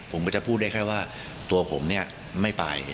ผมก็จะพูดได้แค่ว่าตัวผมเนี่ยไม่ไป